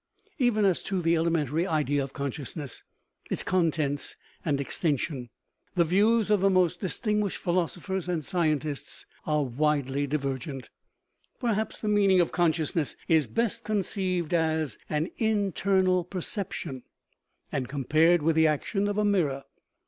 Even as to the elementary idea of consciousness, its contents and extension, the views of the most distin guished philosophers and scientists are widely diver gent. Perhaps the meaning of consciousness is best conceived as an internal perception, and compared with the action of a mirror.